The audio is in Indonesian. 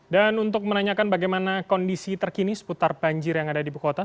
dan untuk menanyakan bagaimana kondisi terkini seputar banjir yang ada di buku kota